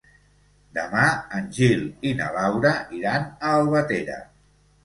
Demà en Gil i na Laura iran a Albatera.